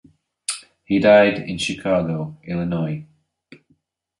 He died in Chicago, Illinois.